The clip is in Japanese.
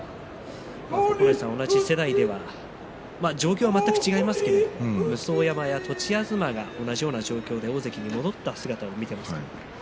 九重さん、同じ世代では状況は全く違いますが武双山や栃東は同じような状況で大関に戻った姿を見ています。